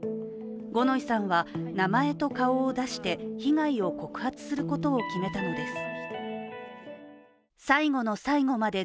五ノ井さんは名前と顔を出して被害を告発することを決めたのです。